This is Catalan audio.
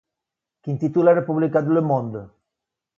Quin titular ha publicat Le Monde?